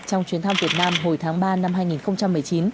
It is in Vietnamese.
trong chuyến thăm việt nam hồi tháng ba năm hai nghìn một mươi chín